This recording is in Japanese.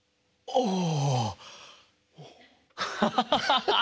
ああ。